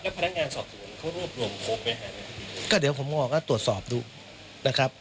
แล้วพนักงานสอบส่วนเขารวบรวมครบไปไหนก็เดี๋ยวผมออกแล้วตรวจสอบดูนะครับ